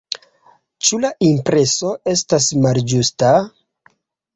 Ĉu la impreso estas malĝusta?